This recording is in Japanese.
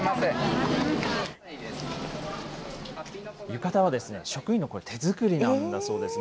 浴衣は職員のこれ、手作りなんだそうです。